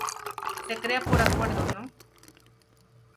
Se crea por Acuerdo No.